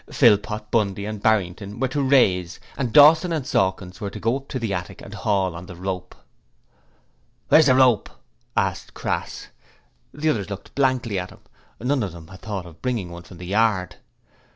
Philpot, Bundy, and Barrington were to 'raise', and Dawson and Sawkins were to go up to the attic and haul on the rope. 'Where's the rope?' asked Crass. The others looked blankly at him. None of them had thought of bringing one from the yard.